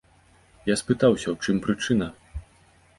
Я спытаўся, у чым прычына?